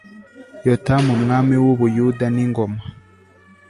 Yotamu umwami w u Buyuda n ingoma